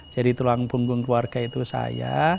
jadi tulang punggung keluarga itu saya